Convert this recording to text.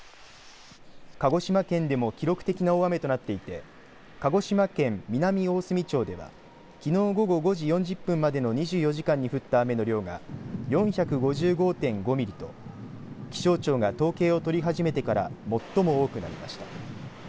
鹿児島県でも記録的な大雨となっていて鹿児島県南大隅町ではきのう午後５時４０分までの２４時間に降った雨の量が４５５．５ミリと気象庁が統計を取り始めてから最も多くなりました。